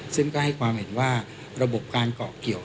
ซึ่งก็ให้ความเห็นว่าระบบการเกาะเกี่ยว